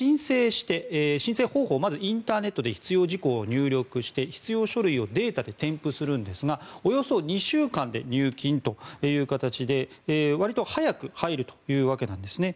申請方法、まずインターネットで必要事項を入力して必要書類をデータで添付するんですがおよそ２週間で入金という形でわりと早く入るというわけなんですね。